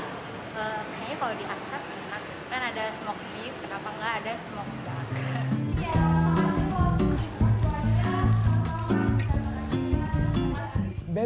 kayaknya kalau di asap kan ada smoked beef kenapa enggak ada smoked beef